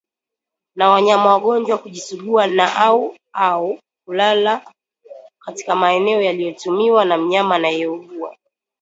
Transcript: na wanyama wagonjwa kujisugua na au au kulala katika maeneo yaliyotumiwa na mnyama anayeugua